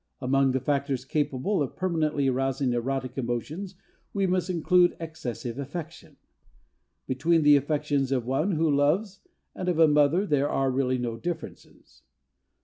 Among the factors capable of permanently arousing erotic emotions we must include excessive affection. Between the affections of one who loves and of a mother there are really no differences.